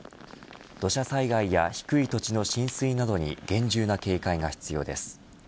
土砂災害や低い土地の浸水などに厳重な警戒が必要です。